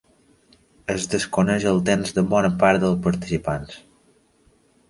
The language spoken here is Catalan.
Es desconeix el temps de bona part dels participants.